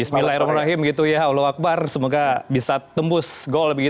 bismillahirrahmanirrahim allah akbar semoga bisa tembus gol